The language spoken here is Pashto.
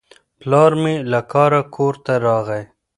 پلار مې له کاره کور ته راغی.